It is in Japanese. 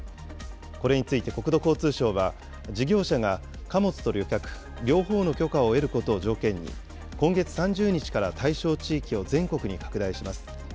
これについて国土交通省は、事業者が貨物と旅客両方の許可を得ることを条件に、今月３０日から対象地域を全国に拡大します。